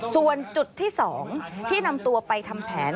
ส่วนจุดที่๒ที่นำตัวไปทำแผน